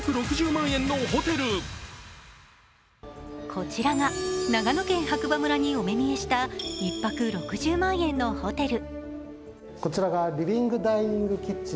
こちらが長野県白馬村にお目見えした１泊６０万円のホテル。